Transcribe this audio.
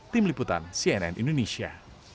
tim liputan cnn indonesia